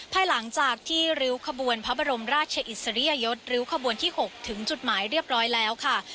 ภายหลังจากที่ริ้วขบวนพระบรมราชอิสริยยศริ้วขบวนที่๖ถึงจุดหมายเรียบร้อยแล้วค่ะ